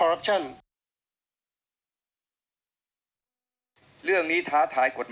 อัลโหะ